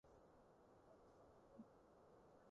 汽車生產商都將生產線遷移